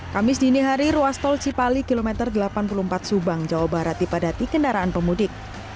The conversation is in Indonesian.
kamis dini hari ruas tol cipali kilometer delapan puluh empat subang jawa barat dipadati kendaraan pemudik